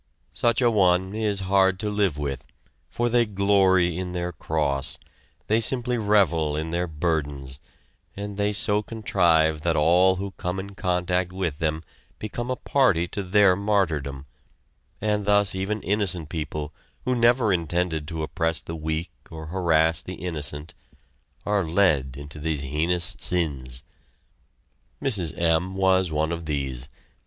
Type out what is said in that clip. Such a one is hard to live with, for they glory in their cross, and simply revel in their burdens, and they so contrive that all who come in contact with them become a party to their martyrdom, and thus even innocent people, who never intended to oppress the weak or harass the innocent, are led into these heinous sins. Mrs. M. was one of these.